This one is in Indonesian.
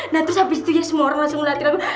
nah terus abis itu ya semua orang langsung ngeliatin aku